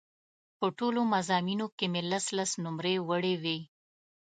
په ټولو مضامینو کې مې لس لس نومرې وړې وې.